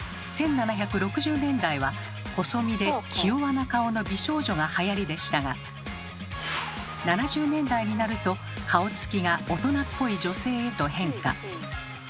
１７６０年代は細身で気弱な顔の美少女がはやりでしたが７０年代になると顔つきが大人っぽい女性へと変化。